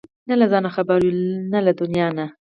نه له ځانه خبر وي نه له دنيا نه!